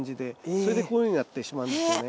それでこういうふうになってしまうんですよね。